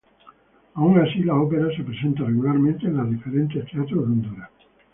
Aun así la Ópera se presenta regularmente en los diferentes teatros de Honduras.